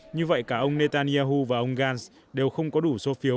như vậy cả ông netanyahu và ông gant đều không có đủ số phiếu